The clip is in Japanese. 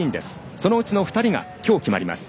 そのうちの２人が今日決まります。